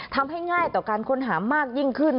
ง่ายต่อการค้นหามากยิ่งขึ้น